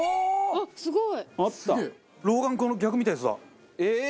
あっすごい！